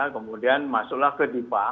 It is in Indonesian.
kemudian masuklah ke dipa